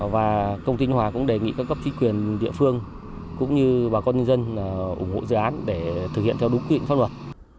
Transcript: và công ty hòa cũng đề nghị các cấp chính quyền địa phương cũng như bà con nhân dân ủng hộ dự án để thực hiện theo đúng quy định pháp luật